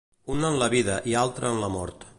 Una en la vida i altra en la mort.